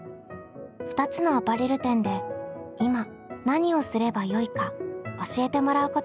２つのアパレル店で今何をすればよいか教えてもらうことができました。